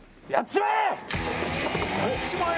「やっちまえ」